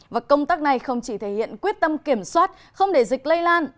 và công tác này không chỉ thể hiện quyết tâm kiểm soát không để dịch lây lan